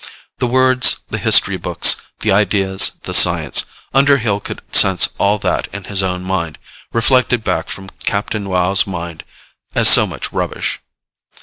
The words, the history books, the ideas, the science Underhill could sense all that in his own mind, reflected back from Captain Wow's mind, as so much rubbish.